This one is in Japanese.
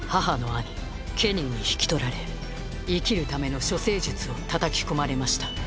ケニーに引き取られ生きるための処世術を叩き込まれました。